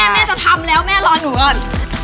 แม่จะทำแล้วแม่รอหนูก่อน